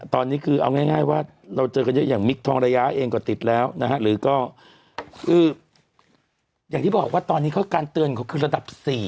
ตอนนี้คือเอาง่ายว่าเราเจอกันเยอะอย่างมิคทองระยะเองก็ติดแล้วนะฮะหรือก็คืออย่างที่บอกว่าตอนนี้เขาการเตือนเขาคือระดับ๔